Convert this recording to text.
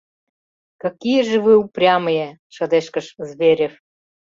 — Какие же вы упрямые! — шыдешкыш Зверев.